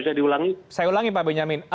baik saya ulangi pak benyamin